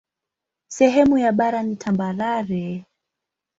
Sehemu ya bara ni tambarare.